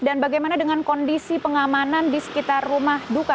dan bagaimana dengan kondisi pengamanan di sekitar rumah duka